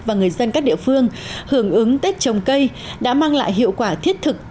và người dân các địa phương hưởng ứng tết trồng cây đã mang lại hiệu quả thiết thực